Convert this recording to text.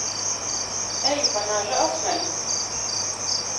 Eju pa naža asmeni.